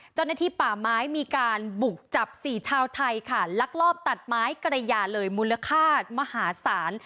เจ้าหน้าที่ป่าไม้มีการบุกจับ๔ชาวไทยค่ะลักลอบตัดไม้กระยาเลยมูลค่ามหาศาล